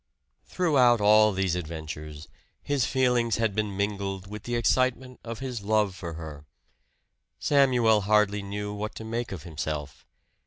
Throughout all these adventures, his feelings had been mingled with the excitement of his love for her. Samuel hardly knew what to make of himself.